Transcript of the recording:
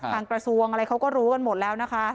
กระทรวงอะไรเขาก็รู้กันหมดแล้วนะคะ